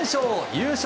優勝